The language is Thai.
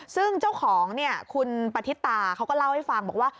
ซึ่งเจ้าของเนี่ยคุณปฏิตาเขาก็เล่าให้ฟังบอกว่า